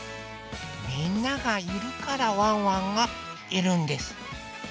みんながいるからワンワンがいるんです。